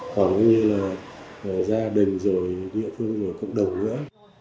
còn như là gia đình rồi địa phương rồi cộng đồng nữa